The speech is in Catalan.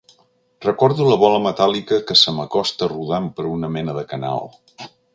Recordo la bola metàl·lica que se m'acosta rodant per una mena de canal.